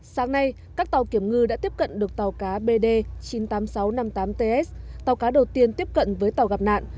sáng nay các tàu kiểm ngư đã tiếp cận được tàu cá bd chín mươi tám nghìn sáu trăm năm mươi tám ts tàu cá đầu tiên tiếp cận với tàu gặp nạn